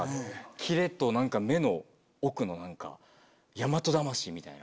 キレと目の奥の大和魂みたいな。